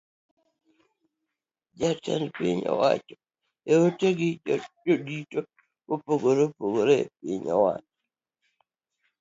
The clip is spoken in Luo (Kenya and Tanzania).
Jatend piny owacho oten gi jodito mopogore epiny owacho.